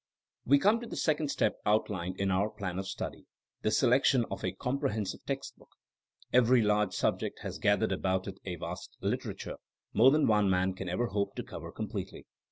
We come to the second step outlined in our plan of study — the selection of a comprehen sive text book. Every large subject has gathered about it a vast literature, more than one man can ever hope to cover completely.